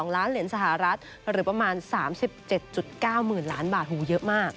๑๐๗๒ล้านเหรียญสหรัฐหรือประมาณ๓๗๙หมื่นล้านบาทเฮ้ยเยอะมาก